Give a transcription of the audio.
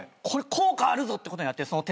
「効果あるぞ」ってことになってその。